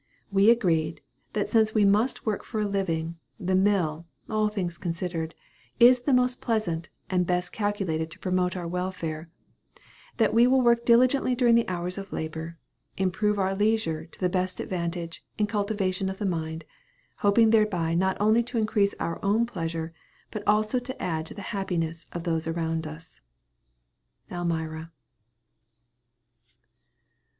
We agreed, that since we must work for a living, the mill, all things considered, is the most pleasant, and best calculated to promote our welfare; that we will work diligently during the hours of labor; improve our leisure to the best advantage, in the cultivation of the mind, hoping thereby not only to increase our own pleasure, but also to add to the happiness of those around us. ALMIRA.